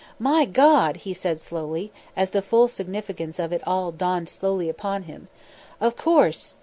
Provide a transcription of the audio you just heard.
"My God!" he said slowly, as the full significance of it all dawned slowly upon him. "Of course!